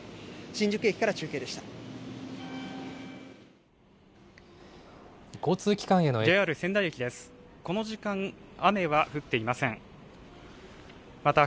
新宿駅から中継でした。